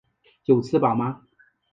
有吃饱吗？